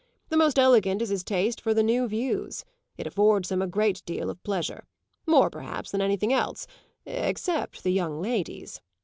The most elegant is his taste for the new views. It affords him a great deal of pleasure more perhaps than anything else, except the young ladies.